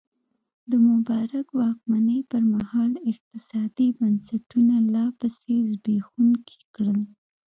د مبارک واکمنۍ پرمهال اقتصادي بنسټونه لا پسې زبېښونکي کړل.